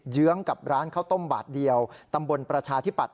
เยื้องกับร้านข้าวต้มบาทเดียวตำบลประชาธิปัตย